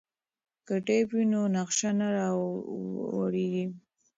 که ټیپ وي نو نقشه نه راویځیږي.